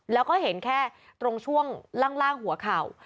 แล้วก็เห็นแค่ตรงช่วงล่างหัวเข่า